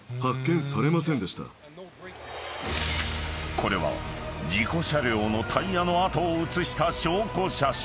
［これは事故車両のタイヤの跡を写した証拠写真］